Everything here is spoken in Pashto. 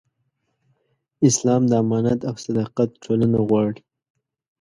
اسلام د امانت او صداقت ټولنه غواړي.